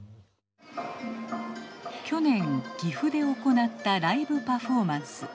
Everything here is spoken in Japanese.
去年岐阜で行ったライブパフォーマンス。